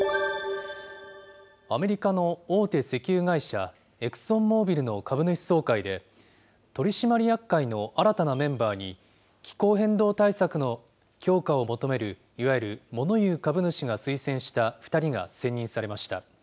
アメリカの大手石油会社、エクソンモービルの株主総会で、取締役会の新たなメンバーに、気候変動対策の強化を求めるいわゆる物言う株主が推薦した２人が選任されました。